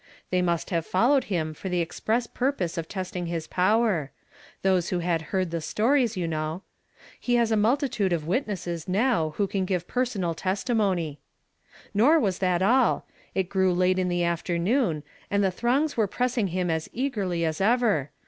They must have fol lowed him for the express purpose of testing his power; those who had heard the stories, you know. He has a multitude of witnesses now, who can give pei sonal testimony. 1^ < El \ n I il m YESTERDAY FRAMED IN TO DAY. I; ' .1 " Nor was that all. ft grew late in the afternoon, and the throngs were pressing hin^ as eagerly as ever.